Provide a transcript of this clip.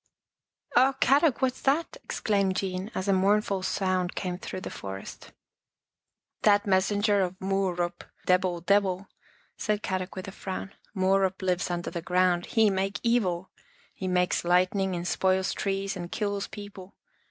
" Oh, Kadok, what's that? " exclaimed Jean, as a mournful sound came through the forest. " That messenger of Muuruup, Debill deb ill," said Kadok with a frown. " Muuruup lives under the ground. He make evil. He makes lightning and spoils trees and kills peo ple.